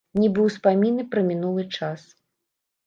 Нібы ўспаміны пра мінулы час.